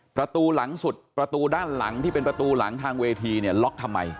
ประตูหลังสุดประตูด้านหลังที่เป็นประตูหลังทางเวทีเนี่ยล็อกทำไม